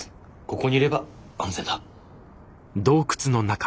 ここにいれば安全だ。